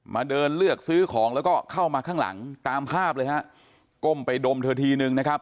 มาเดินเลือกซื้อของแล้วก็เข้ามาข้างหลังตามภาพเลยฮะก้มไปดมเธอทีนึงนะครับ